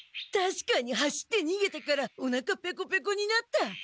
たしかに走ってにげたからおなかペコペコになった。